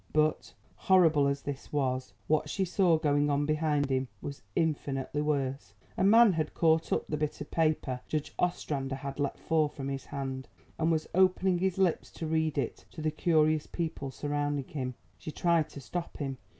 But, horrible as this was, what she saw going on behind him was infinitely worse. A man had caught up the bit of paper Judge Ostrander had let fall from his hand and was opening his lips to read it to the curious people surrounding him. She tried to stop him.